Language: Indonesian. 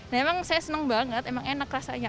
nah emang saya senang banget emang enak rasanya